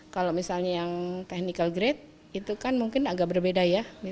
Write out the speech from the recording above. kalau misalnya yang technical grade itu kan mungkin agak berbeda ya